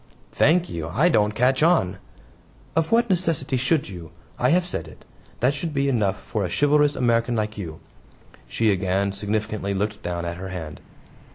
"Thank you! I don't catch on." "Of what necessity should you? I have said it. That should be enough for a chivalrous American like you." She again significantly looked down at her hand.